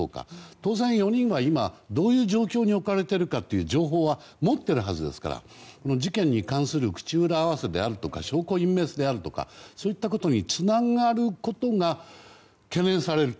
当然、４人は今、どういう状況に置かれているかの情報は持っているはずですから事件に関する口裏合わせだとか証拠隠滅であるとかそういったことにつながることが懸念されると。